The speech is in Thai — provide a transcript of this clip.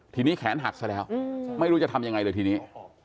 ทีนี้แขนหักซะแล้วไม่รู้จะทำยังไงเลยทีนี้